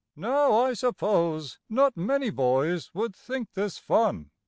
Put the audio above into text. Now, I suppose Not many boys would think this fun.